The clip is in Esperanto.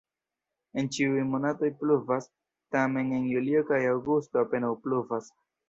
En ĉiuj monatoj pluvas, tamen en julio kaj aŭgusto apenaŭ pluvas.